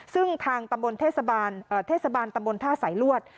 ซึ่งทางตำบลเทศบาลตำบลท่าสายลวด